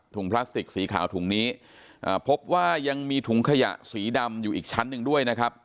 พลาสติกสีขาวถุงนี้อ่าพบว่ายังมีถุงขยะสีดำอยู่อีกชั้นหนึ่งด้วยนะครับ